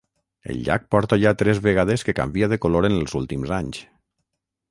El llac porta ja tres vegades que canvia de color en els últims anys.